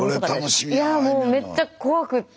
いやもうめっちゃ怖くって。